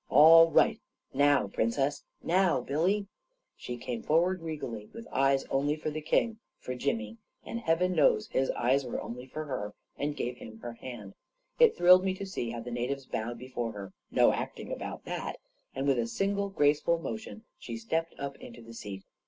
" All right ! Now, Princess ! Now, Billy !" She came forward regally, with eyes only for the King — for Jimmy — and heaven knows, his eyes were only for her !— and gave him her hand. It thrilled me to see how the natives bowed before her — no acting about that. And with a single grace ful motion, she stepped up into the seat.